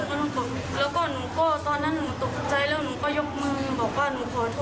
เขาก็เวียงให้หนูล้มก่อน